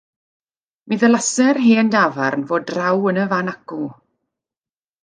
Mi ddylase'r hen dafarn fod draw yn y fan acw.